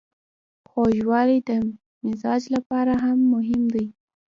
خوږوالی د مزاج لپاره هم مهم دی.